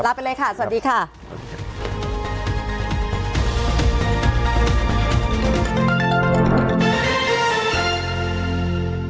ไปเลยค่ะสวัสดีค่ะ